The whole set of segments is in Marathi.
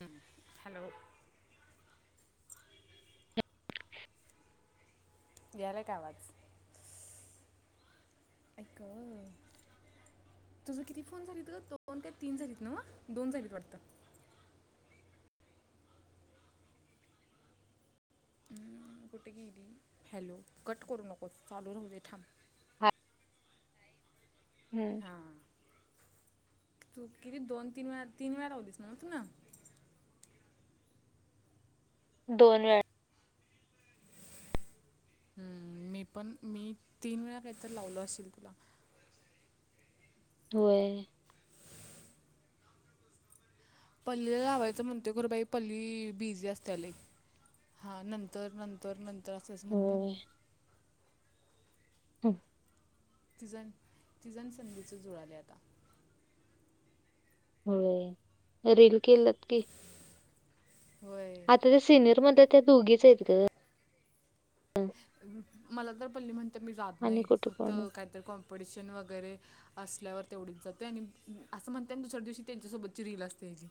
हम्म हॅलो. यायलाय काय आवाज? आई गं. तुझं किती फोन झालीत ग दोन काय तीन झालीत नव्हं दोन झालीत वाटतं. कुठं गेली हि हॅलो कट करू नको चालू राहू दे थांब. हा. हम्म हा तू किती दोन तीन वेळा तीन वेळा लावलीस नव्हं तूनं. दोन वेळा. हम्म मी पण मी तीन वेळा काहीतरी लावलो अशील तुला. व्हयं. पल्लीला लावायचं म्हणतोय खरं बाई पल्ली बिझी असतीया लई हा नंतर नंत तर नंतर असंच म्हणतीया. होय हम्म. तीझ आण तीझ आण संधीचं जुळायलयं आता. व्हयं रिल केल्यात की. व्हयं. ते सिनियर मध्ये त्या दोघीचं आहेत गं. अ मला तर पल्ली म्हणतीया मी जात आणि नाही कुठे फक्त कोण काहीतरी कॉम पिटिशन वगैरे असल्यावर तेवढीच जातोय आणि असं म्हणतीया आणि दुसऱ्या दिवशी त्यांच्यासोबतची रील असतीया हिजी.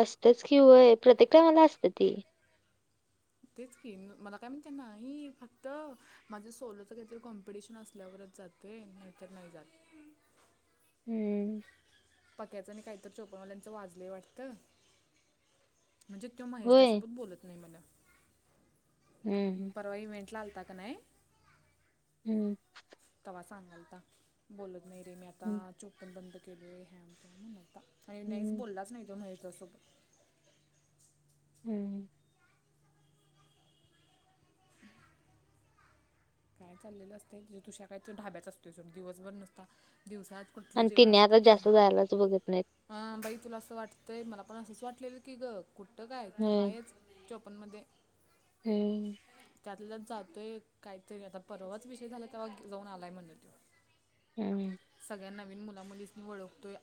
असतियाचं कि होय प्रत्येक टाईमाला असतिया ती. तेच की मला काय म्हणतिया नाही फक्त माझं सोलोचं काहीतरी कॉम्पिटिशन असल्यावरच जातं ते नाहीतर नाही जात. हम्म. पक्याचं आणि काही तर चोपनवाल्यांचं वाजलंय वाटतं. म्हणजे तो होय महेशदासोबत बोलत नाही म्हणं. हम्म. परवा इवेंटला आलाता की नाही हम्म. तवा सांगायलता बोलत नाही रे मी आता हम्म चोपण बंद केलोय. आणि काय म्हणायलता आणि नाहीच हम्म. बोललाच नाही तो महेशदासोबत. हम्म. काय चाललेलं असतयं तु तुष्या काय त्यो ढाब्याच असतोय सोडं दिवसभर नुसता दिवसात कुठलं आणि तेन्नी आता जास्त जायलाच बघत नाहीत. हा बाई तुला असं वाटतंय. मला पण असंच वाटलेलं की ग, कुठं काय होय [unintelligible] चोपनमध्ये हम्म. त्यातला जातोय काहीतरी आता परवाच विषय झाला, तेव्हा जाऊन आलाय मम्हणं तो. हम्म. सगळ्या नवीन मुला मुलींस्नी ओळखतोय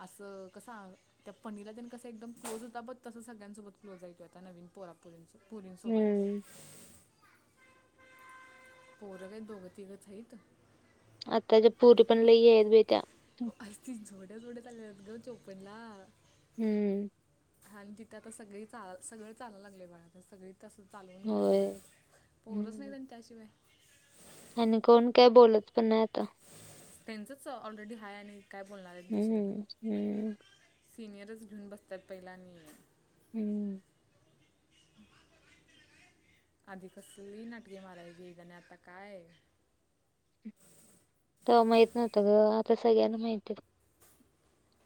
असं कसं आ त्या पणीला तेंन कस एकदम क्लोज होता बघ तस सगळ्यासोबत आहे को आता नवीन पोरात. पुरींच पोरींसोबत. हम्म. पोर काय दोग तिघचं हाईत. आताच्या पोरी पण लई ई आहेत बाई त्या. अगदी जोड्या जोड्या चालल्यात ग चोपनला. हम्म. हा आणि तिथे आता सगळी चाला सगळं चालायला लागलय बघा आता सगळी तसं चालवून घ्याय होय. लागल्यात. पोरच नाहीत हम्म आणि त्याशिवाय. आणि कोण काय बोलत पण नाही आता. त्यांचच ऑलरेडी हाय आणि काय बोलणार हाईत दुसऱ्यांला. हम्म हम्म. सिनियरचं घेऊन बसत्यात पहिला आणि हम्म. आधी कसली नाटकी मारायची [unintelligible] आता काय? [inaudible] तवा माहित नव्हतं ग, आता सगळ्यांना माहिती हाय.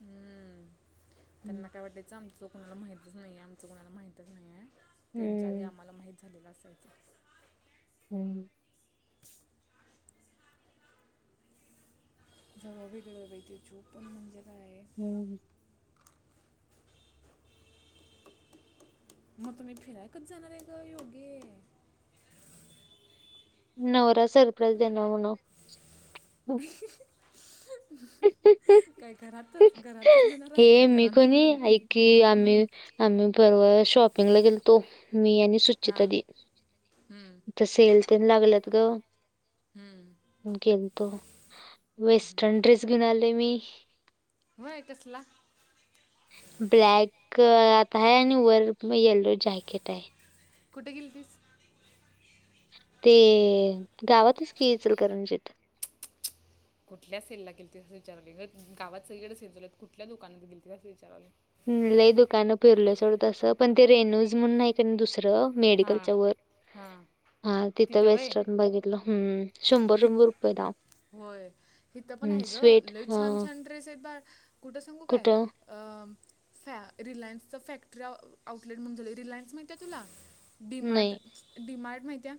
हम्म, त्यांना हम्म काय वाटायचं आमचं कोणाला माहितच नाही आहे, आमचं कोणाला माहितच नाही आहे. त्यांच्या आधी हम्म आम्हाला माहित झालेलं असायचं. हम्म. जाऊया वेगळं बाई. ते जोग पण म्हणजे काय हम्म. मग तुम्ही फिराय कधी जाणार हाय ग योगे? नवरा सरप्राज देणार [unintelligible] काय घरातच घरात तच नेणार हाय, हे मी घरातच कोणी ने ऐक की आम्ही आम्ही परवा शॉपिंगला गेलतो. मी आणि हा सुचिता दि, हम्म इथं सेल तेन लागल्यात ग. हम्म. गेलतो, वेस्टर्न ड्रेस घेऊन आले मी. होय कसला? ब्लॅक आत हाय आणि वर यल्लो जॅकेट हाय. कुठे गेलतीस? ते गावातच की इचलकरंजीत. कुठल्या सेलला गेलतीस असं विचारायलोय गं. गावात सगळीकडे सेल चालू आहेत, कुठल्या दुकानात गेलतीस असं विचारायलोय. हम्म लय दुकानं फिरलो सोडं तसं, पण ते रेणुज म्हणून हाय का नाही दुसरं हां मेडिकलच्या वर, हां हा तिथं वेस्टर्न बघितलं हम्म. शंभर हित शंभर रुपयला. होय हिथ पण हाय ग, लय हा छान छान ड्रेस आहेत बाई, कुठं सांगू काय? कुठं अ फॅ रिलायन्सच फॅक्टरी आउटलेट म्हणजे रिलायन्स माहिती हाय तुला? डीमार्ट नाही डीमार्ट माहिती आहे?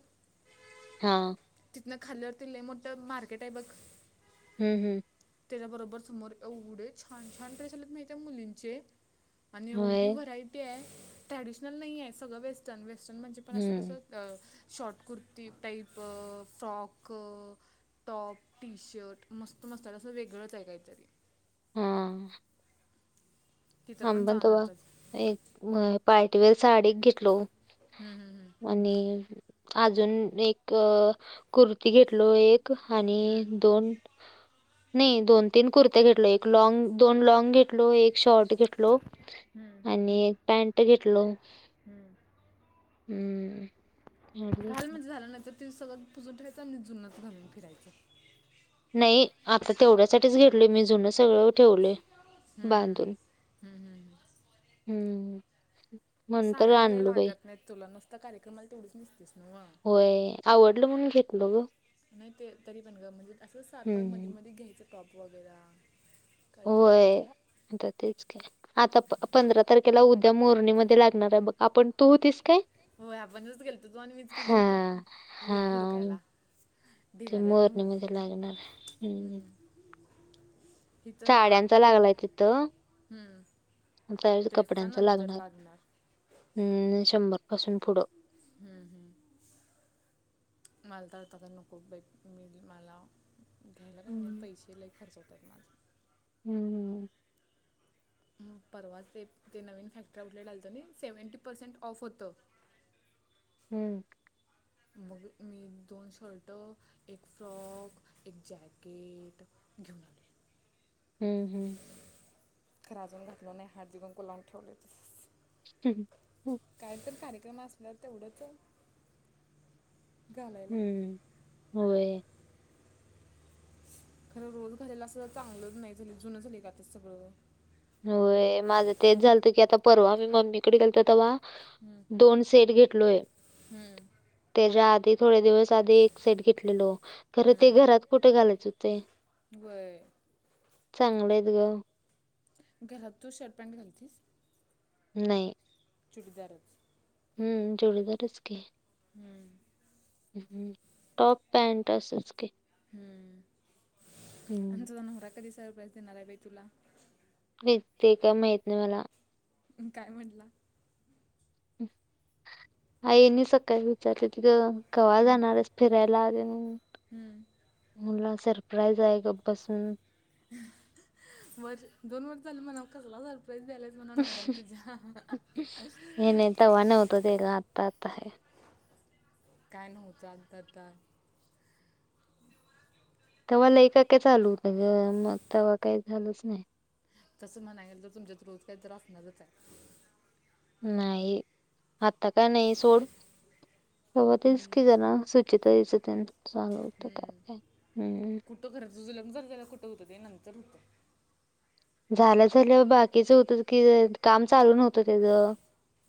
हा. तिथनं खाली आल्यावरती लय मोठं मार्केट आहे बघ हम्म हम्म. त्याच्या बरोबर समोर. एवढे छान छान ड्रेस आलेत माहित आहे मुलींचे आणि एवढी होय व्हरायटी आहे. ट्रॅडिशनल नाहीये सगळं वेस्टर्न. वेस्टर्न म्हणजे पण असं हम्म कसं अ शॉट कुर्ती टाईप अ फ्रॉक, टॉप, टी शर्ट मस्त मस्त आहे असं वेगळंच आहे काहीतरी. हम्म. तिथं आम्ही पण तेव्हा जाणारच एक म पार्टी वेअर साडी एक घेतलो. हम्म हम्म हम्म. आणि अजून एक कुर्ती घेतलो एक हम्म, आणि दोन नाही दोन तीन कुर्त्या घेतल एक लॉंग दोन लॉंग घेतलो एक शॉर्ट घेत लो हम्म, हम्म, आणि एक पॅन्ट घेतलो. हम्म. हम्म. एवढं घाल घेतलं म्हणजे झाला नाहीतर ते सगळं पुजून ठेवायचं आणि जुनाचं घालून फिरायचं. नाही आता तेवढ्यासाठीच घेतलोय मी जुन सगळं ठेवलय हम्म हं बांधून हं हम्म. हम्म. नंतर साड्या काय लई आणलो बाई लागत नाही तुला नुसता कार्यक्रमाला तेवढचं नेसतीस. व्हयं आवडलं म्हणून घेतलो गं. नाही ते तरी पण ग म्हणजे असं सारखं मधी हम्म मधी घ्यायचं टॉप वगैरा. व्हयं. आता तेच काय कि आता पंधरा तारखेला उद्या मोरणीमध्ये लागणार आहे बघ आपण तू होतीस काय होय आपणच गेलतो तु आणि मीचकी हा गेलतो हु हा हुडकायला. ते ढिगार्यातनं हुडकू मोरणीमध्ये लागणार आहे. हम्म. हिथं आ साड्यांचा लागलाय तिथं. हम्म. जायाचं ड्रेसचा कपड्यांच नंतर लागणार हम्म शंभर पासून पुढं. हम्म हम्म मला तर आता काय नकोत बाई मि मला घ्यायला काय नाई हम्म पैसे लय खर्च होत्यात माझं. हम्म हम्म. परवाच ते ते नवीन फॅक्टरी आऊट लेट आलतं नाई आणि सेव्हंटी पर्सेंट ऑफ होतं. हम्म. मग मी दोन शर्ट, एक फ्रॉक एक जॅकेट घेऊन आलोय. हम्म हम्म. खरं अजून घातलो नाही हळदी कुंकु लावून ठेवलोय तसचं. हं हं. काय तर कार्यक्रम असल्यावर तेवढचं हम्म होय. खरं रोज घालायला असं चांगलचं नाई झाल्यात जुनं झालयं गं आता सगळं. होय माझं तेच झालतं की आता परवा मी मम्मीकडं गेलतो तवा हम्म. दोन सेट घेतलोय. हम्म. त्याच्या आधी थोडे दिवस आधी एक सेट घेतलेलो खरं ते घरात कुठं घालायचं हुतयं. व्हयं. चांगल आहेत गं. घरात तू शर्ट पॅन्ट घालतीस? नाही. चुडिदारचं. हम्म चुडीदारचं की. हम्म. टॉप, पॅन्ट असच की. हम्म, आणि हं. तुझा नवरा कधी सरप्राइज देणार आहे बाई तुला? ते काय माहीत नाही मला. काय म्हंटला? आईंनी सकाळी विचारलं तर कवा हम्म, जाणार हाईस? फिरायला आले नाहीत. हम्म. मला सरप्राईज आहे गप बसून हं हं हं वर दोन वर्ष झालं म्हणाव कसला सरप्राईज द्यायलियास. म्हणावं नवर्याला तुझ्या हं हं हं. नाई गं आत्ता आता आहे. काय नव्हतं आत्ता आत्ता. तवा लई काय काय चालू होतं मग तेव्हा काही झालंच नाही. तसं म्हणाय गेलं तर तुमच्यात रोज काय तर असणारचंयं. नाही आता काय नाही सोड. हो तेच की जरा सुचिताताईच तेन [unintelligible] होत काय काय हं. तो खरं तुझ लग्न झालं त्यावेळेला कुठं होतं ते नंतर होतं. झालं झाल्या बाकीच हुतच की ते काम चालू नव्हतं तेज.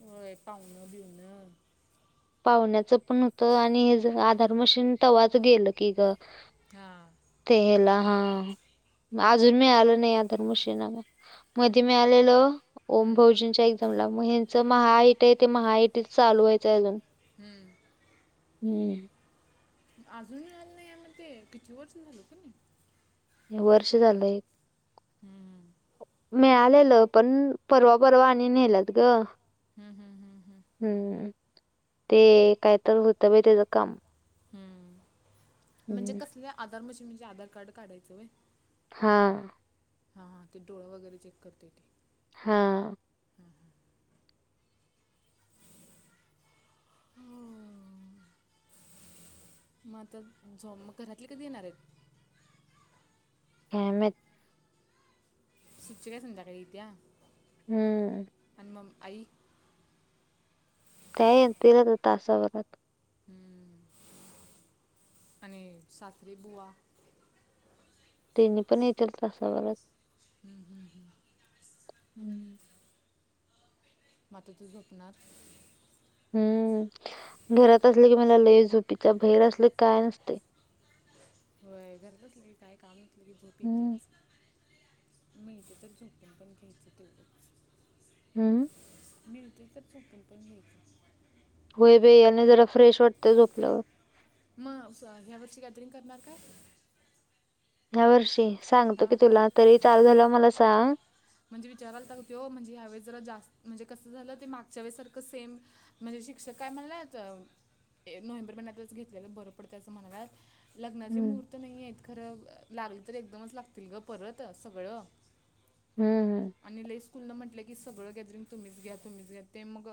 होय पावण बिवन पाहुण्याचं पण होतं आणि हेज आत [unintelligible] तवाच गेलं की ग, हां ते हेला हा. आजुन मिळालं नाही आदर मशीन आम्हाला मधी मिळालेलं ओम हम्म, बहुजनच्या एक्झामला, मग ह्यांचं महाआयटी आहे ते महाआयटीच चालू व्हायचं आहे अजून. हम्म. हम्म. आजुन मिळालं नाही [unintelligible] किती वर्ष झालं की नाही. वर्ष झालं एक. हम्म. मिळालेलं पण परवा परवा आणि नेल्यात गं. हम्म, हम्म, हम्म, हम्म. हम्म, ते काय तर होतं बाई त्याज काम. हम्म म्हणजे हम्म कसले आधार मशीन म्हणजे आधार कार्ड काढायचं व्हय? हा. हा हा. ते डोळ वगैरे चेक करतंय ते. हा. हम्म. मग आता झ मग घरातली कधी येणार आहेत? काय माहित. [unintelligible] काय संध्याकाळी येत्या. हम्म. आणि मग आई काय येतील आता तासाभरात. हम्म आणि सासरेबुवा तेनी पण येतील तासाभरात. हम्म, हम्म, हम्म. हम्म. मग आता तु झोपणार? हम्म, घरात असले की मला लय झोप येत्या भैर असलं की काय नसतंय. होय घरात असलं की काय काम नसल की झोप हम्म येत्याच. मिळत्या तर झोपून पण घ्यायच तेवढंच. हम्म. मिळतंय तर चुकून पण मिळतंय. होय बाई आणि जरा फ्रेश वाटतंय झोपल्यावर. मा उस या वर्षी गॅदरिंग करणार काय? ह्या वर्षी सांगतो हां की तुला तरी चालू झालं मला सांग म्हणजे विचाराला तग तो म्हणजे ह्यावेेस जरा जास्त म्हणजे कसं झालं ते मागच्या वेळेसारखं सेम म्हणजे शिक्षक काय म्हणलात नोव्हेंबर महिन्यातच घेतलेलं बरं पडत असं म्हणाल्यात लग्नाचे हम्म मुहूर्त नाही आहेत खरं लागली तर एकदमच लागतील ग परत सगळं. हम्म, हम्म. आणि लई स्कूलन म्हटलं की सगळं गॅदरिंग तुम्हीच घ्या, तुम्हीच घ्या. ते मग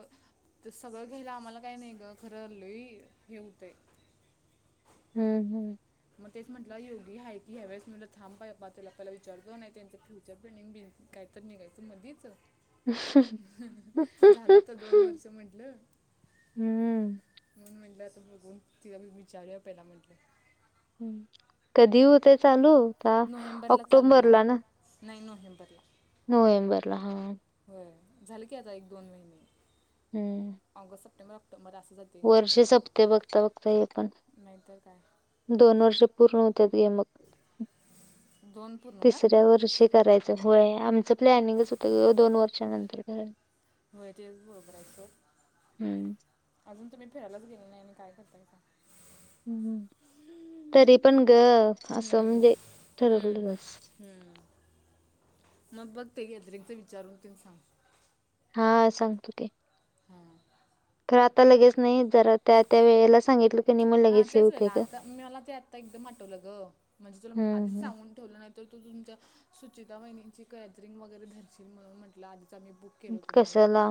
तर सगळं घ्यायला आम्हाला काही नाही ग, खरं लई हे हुतय हम्म हम्म मग तेच म्हटलंय योगी आहे की ह्यावेळेस म्हणलं थांब पा त्याला आपहिला विचारत नाही त्यांच फ्युचर प्लनिंग बि काय तर निघायचं मधीच हम्म झालं आता दोन वर्ष म्हटलं हम्म. म्हणून म्हटलं आता बघून तिला विचारूया पहिला म्हटलं कधी होत चालू ता नोव्हेंबरला चालू होणार ऑक्टोबरला ना नाही नोवहेंबरला नोव्हेंबरला हा होय झालं की आता एक दोन महिने हम्म ऑगस्ट सप्टेंबर ऑटोबर अस झालं वर्षे सपते बघता बघता हे पण नाहीतर काय दोन वर्ष पूर्ण होत्या गे मग दोनपू तिसऱ्या वर्षी कराय होय आमचं प्लॅनिंगच होतं दोन वर्षानंतर हो तेच बरोबर हाय सोड हम्म. अजून तुम्ही फिरायलाच गेल नाही आणि काय करताय हम्म तरी पण ग असं हम्म, म्हणजे हम्म, ठरवलंस हम्म मग बघ ते गॅदरिंगच विचारून ते सांग हा सांगतो ते हा तर आता लगेच नाही जरा त्या त्या वेळेला सांगितल हा त्याच वेळेला आता मी मला ते आत्ता एकदम आठवलं ग म्हणजे तुला हम्म आधीच हम्म. सांगून ठेवला नाही तर तो तुमच्या सुचिता वहिनींची गॅदरिंग वगैरे धरशील म्हणून म्हटलं आधीच आम्ही बुक केलं तुम्हाला कशाला?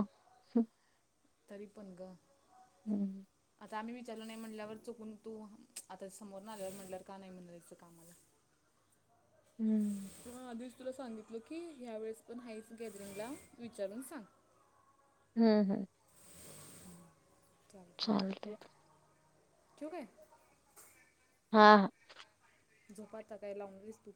हम्म तरी पण ग हम्म आता आम्ही विचारलं नाही म्हटल्यावर चुकून तू आता समोर न आल्यावर म्हटल्यावर का नाही म्हणलं याचं कामाला [inaudible] हम्म त्यामुळं आधीच तुला सांगितलं की ह्या वेळेस पण हाईच गॅदरिंगला विचारून सांग हम्म हम्म चालते चालतय ठेवू काय हा हा झोपा आता काय लावणारीस तू?